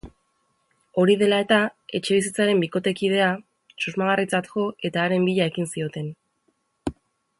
Hori dela eta, etxebizitzaren bikotekidea susmagarritzat jo eta haren bila ekin zioten.